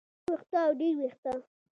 يو وېښتۀ او ډېر وېښتۀ